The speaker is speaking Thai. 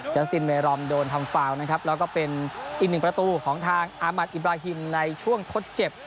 สตินเมรอมโดนทำฟาวนะครับแล้วก็เป็นอีกหนึ่งประตูของทางอามัติอิบราฮิมในช่วงทดเจ็บ